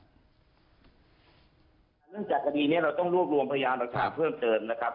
เนื่องจากคดีนี้เราต้องรวบรวมพยานหลักฐานเพิ่มเติมนะครับ